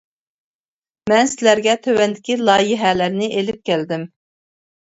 مەن سىلەرگە تۆۋەندىكى لايىھەلەرنى ئېلىپ كەلدىم.